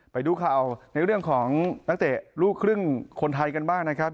ไปดูข่าวในเรื่องของนักเตะลูกครึ่งคนไทยกันบ้างนะครับ